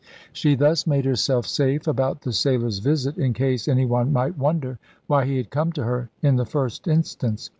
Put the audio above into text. She thus made herself safe about the sailor's visit, in case any one might wonder why he had come to her in the first instance.